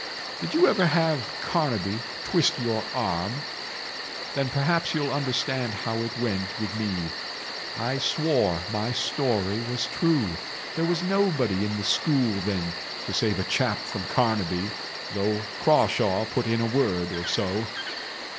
Did you ever have Carnaby twist your arm? Then perhaps you'll understand how it went with me. I swore my story was true. There was nobody in the school then to save a chap from Carnaby though Crawshaw put in a word or so.